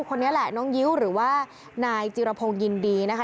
คนนี้แหละน้องยิ้วหรือว่านายจิรพงศ์ยินดีนะคะ